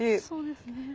そうですね。